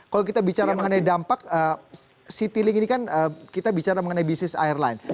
kalau kita bicara mengenai dampak citylink ini kan kita bicara mengenai bisnis airline